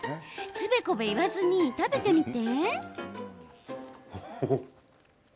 つべこべ言わずに食べてみて！